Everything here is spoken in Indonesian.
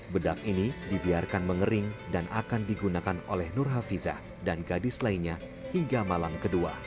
bedak ini dibiarkan mengering dan akan digunakan oleh nur hafizah dan gadis lainnya hingga malam kedua